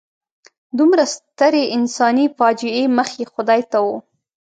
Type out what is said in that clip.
دومره سترې انساني فاجعې مخ یې خدای ته و.